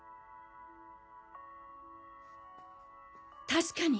確かに！